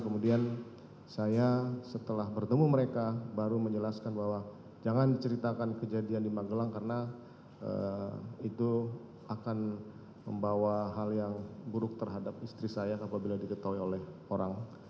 kemudian saya setelah bertemu mereka baru menjelaskan bahwa jangan diceritakan kejadian di magelang karena itu akan membawa hal yang buruk terhadap istri saya apabila diketahui oleh orang